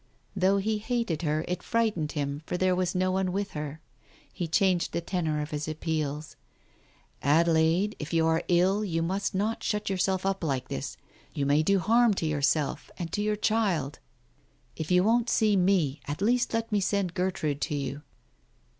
Though he hated her, it frightened him, for there was no one with her. He changed the tenor of his appeals. "Adelaide, if you are ill, you must not shut yourself up like this. You may do harm to yourself — and to the child. If you won't see me, at least let me send Gertrude to you."